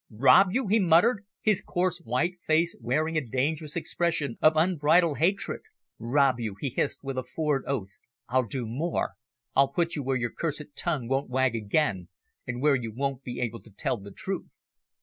"Rob you!" he muttered, his coarse white face wearing a dangerous expression of unbridled hatred, "rob you!" he hissed with a ford oath, "I'll do more. I'll put you where your cursed tongue won't wag again, and where you won't be able to tell the truth!"